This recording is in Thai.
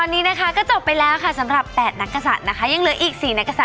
นี่คู่เราหรวยไม่ได้นะ